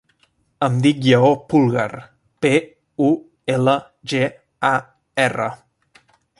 Em dic Lleó Pulgar: pe, u, ela, ge, a, erra.